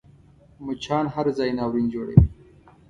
مچان هر ځای ناورین جوړوي